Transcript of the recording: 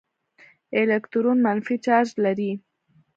الکترون منفي چارج لري.